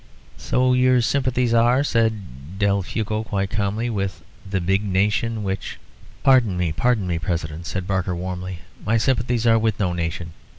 "So your sympathies are," said Del Fuego, quite calmly, "with the big nation which " "Pardon me, pardon me, President," said Barker, warmly; "my sympathies are with no nation.